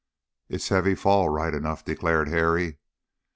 "It's heavy fall, right enough," declared Harry.